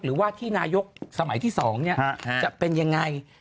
หรือว่าที่นายกสมัยที่๒จะเป็นยังไง